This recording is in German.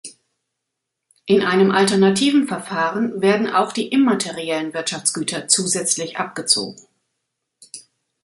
In einem alternativen Verfahren werden auch die immateriellen Wirtschaftsgüter zusätzlich abgezogen.